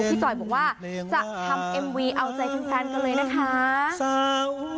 จอยบอกว่าจะทำเอ็มวีเอาใจแฟนกันเลยนะคะ